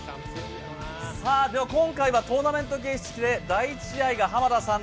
今回はトーナメント形式で第１試合が濱田さん